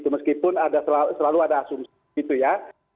meskipun selalu ada asumsi gitu ya